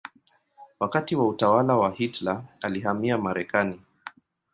Wakati wa utawala wa Hitler alihamia Marekani.